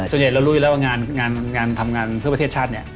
เรารู้อยู่แล้วว่างานทำงานเพื่อประเทศชาติเนี่ย